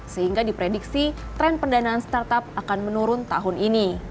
sehingga diprediksi tren pendanaan startup akan menurun tahun ini